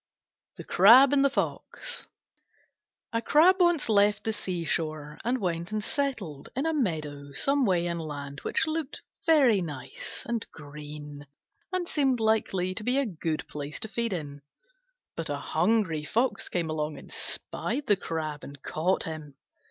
THE CRAB AND THE FOX A Crab once left the sea shore and went and settled in a meadow some way inland, which looked very nice and green and seemed likely to be a good place to feed in. But a hungry Fox came along and spied the Crab and caught him.